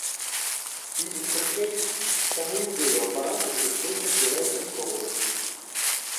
І інтэрфейс, і саму ідэю апарату прыйшлося пераасэнсоўваць.